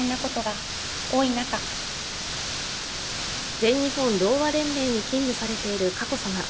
全日本ろうあ連盟に勤務されている佳子さま。